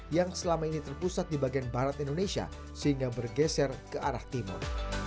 yang selama ini terpusat di bagian barat indonesia sehingga bergeser ke arah timur